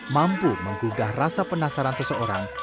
mampu menggugah rasa penasaran seseorang